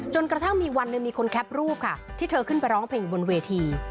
กระทั่งมีวันหนึ่งมีคนแคปรูปค่ะที่เธอขึ้นไปร้องเพลงบนเวที